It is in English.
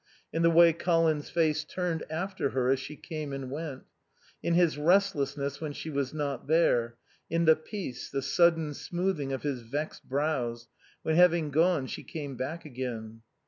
In the way Colin's face turned after her as she came and went; in his restlessness when she was not there; in the peace, the sudden smoothing of his vexed brows, when having gone she came back again.